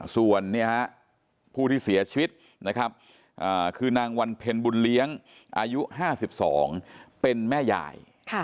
ส่วนผู้ที่เสียชีวิตนะครับคือนางวันเพ็ญบุญเลี้ยงอายุ๕๒เป็นแม่ยาย